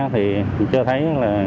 thì cho thấy